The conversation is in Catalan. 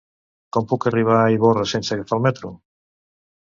Com puc arribar a Ivorra sense agafar el metro?